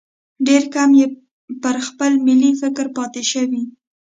ډېر کم یې پر خپل ملي فکر پاتې شوي.